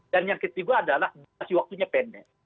dan yang ketiga adalah masih waktunya pendek